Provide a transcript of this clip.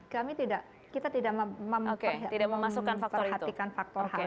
kami tidak memasukkan faktor itu